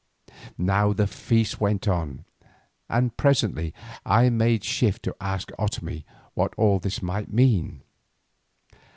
Now the feast went on, and presently I made shift to ask Otomie what all this might mean.